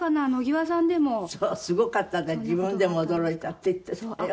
すごかったって自分でも驚いたって言っていたわよ。